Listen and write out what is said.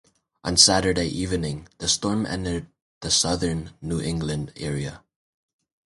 On Saturday evening the storm entered the Southern New England area.